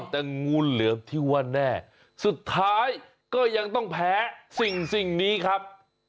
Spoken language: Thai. แต่งูเหลือมที่ว่าแน่สุดท้ายก็ยังต้องแพ้สิ่งนี้ครับ